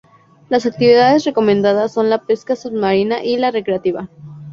Las actividades recomendadas son la pesca submarina y la recreativa.